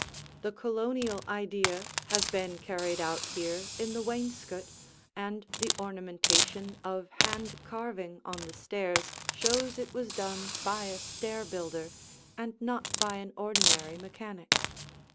The Colonial idea has been carried out here in the wainscot, and the ornamentation of hand carving on the stairs shows it was done by a stair builder and not by an ordinary mechanic.